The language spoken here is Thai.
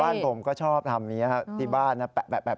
บ้านผมก็ชอบทำอย่างนี้ที่บ้านแปะอย่างนี้เลย